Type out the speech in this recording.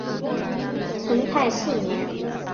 成泰四年。